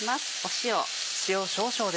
塩。